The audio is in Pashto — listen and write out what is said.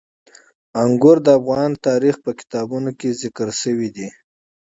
انګور د افغان تاریخ په کتابونو کې ذکر شوی دي.